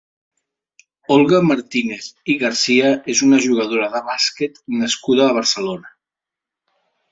Olga Martínez i García és una jugadora de bàsquet nascuda a Barcelona.